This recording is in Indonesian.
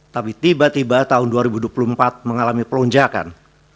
tapi tiba tiba tahun dua ribu dua puluh empat mengalami pelonjakan